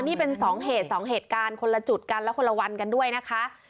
นี่เป็น๒เหตุ๒เหตุการณ์คนละจุดกันและคนละวันกันด้วยนะคะ